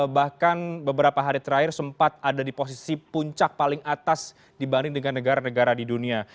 bahkan beberapa hari terakhir sempat ada di posisi puncak paling atas dibanding dengan negara negara di dunia